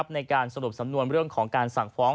ในการสรุปสำนวนเรื่องของการสั่งฟ้อง